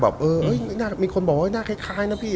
แบบเออมีคนบอกหน้าคล้ายนะพี่